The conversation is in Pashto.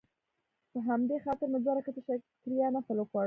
په همدې خاطر مې دوه رکعته شکريه نفل وکړ.